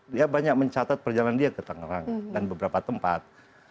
dia banyak mencatat perjalanan dia ke tangerang dan beberapa tempat